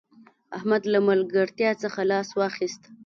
احمد له ملګرتیا څخه لاس واخيست